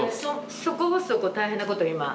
そこそこ大変なこと今。